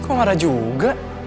kok gak ada juga